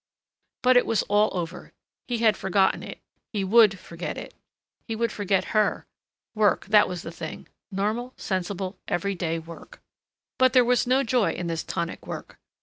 But it was all over. He had forgotten it he would forget it. He would forget her. Work, that was the thing. Normal, sensible, every day work. But there was no joy in this tonic work.